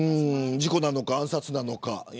事故なのか暗殺なのか。